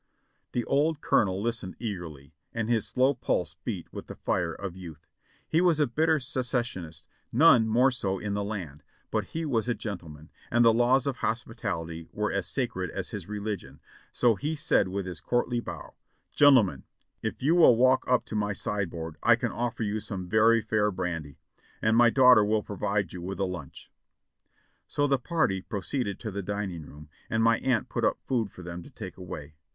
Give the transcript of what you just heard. '' The old Colonel listened eagerly, and his slow pulse beat with the fire of youth. He was a bitter secessionist, none more so in the land, but he was a gentleman, and the laws of hospitality were as sacred as his religion; so he said with his courtly bow, "Gentlemen, if you will walk up to my sideboard I can offer you some very fair brandv, and mv daughter will provide vou with a lunch." So the party proceeded to the dining room, and my aunt put up food for them to take away.